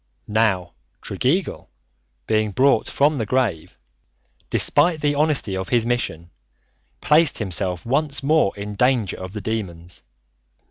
Now Tregeagle being brought from the grave, despite the honesty of his mission, placed himself once more in danger of the demons.